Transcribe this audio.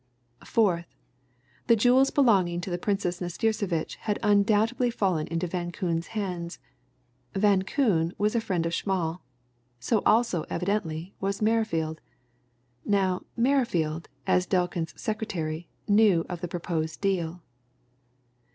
"Fourth. The jewels belonging to the Princess Nastirsevitch had undoubtedly fallen into Van Koon's hands. Van Koon was a friend of Schmall. So also, evidently, was Merrifield. Now, Merrifield, as Delkin's secretary, knew of the proposed deal.